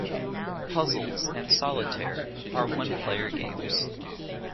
Puzzles and Solitaire are one-player games.